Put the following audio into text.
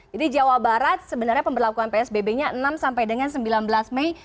jadi jawa barat sebenarnya pembelakuan psbb nya enam sampai dengan sembilan belas mei